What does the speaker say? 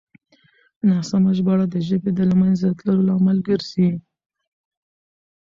ناسمه ژباړه د ژبې د له منځه تللو لامل ګرځي.